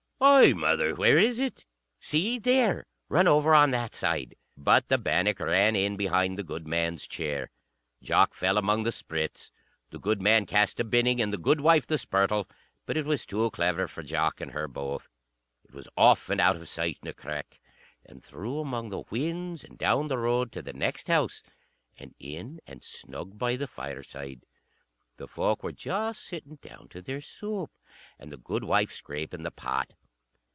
"Ay, mother, where is it?" "See there. Run over on that side." But the bannock ran in behind the goodman's chair. Jock fell among the sprits. The goodman cast a binning, and the goodwife the spurtle. But it was too clever for Jock and her both. It was off and out of sight in a crack, and through among the whins, and down the road to the next house, and in and snug by the fireside. The folk were just sitting down to their soup, and the goodwife scraping the pot.